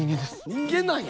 人間なんや。